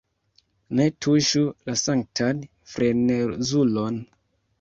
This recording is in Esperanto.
Ne tuŝu la sanktan frenezulon!